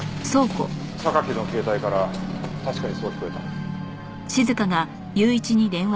榊の携帯から確かにそう聞こえた。